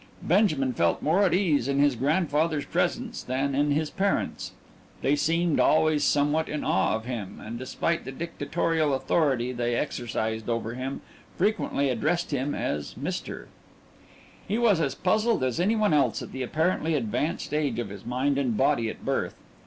Benjamin felt more at ease in his grandfather's presence than in his parents' they seemed always somewhat in awe of him and, despite the dictatorial authority they exercised over him, frequently addressed him as "Mr." He was as puzzled as any one else at the apparently advanced age of his mind and body at birth.